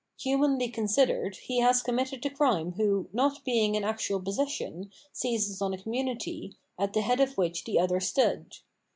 Humanly considered, he has committed the crime who, not being in actual possession, seizes on the community, at the head of which the other stood.